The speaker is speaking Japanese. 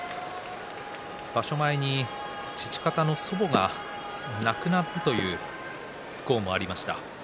場所前に父方の祖母が亡くなるという不幸もありました。